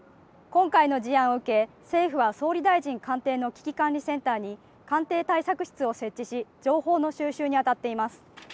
今回の事案を受け、政府は総理大臣官邸の危機管理センターに官邸対策室を設置し情報の収集に当たっています。